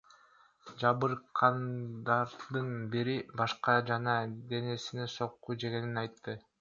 Жабыркагандардын бири башка жана денесине сокку жегенин айтты.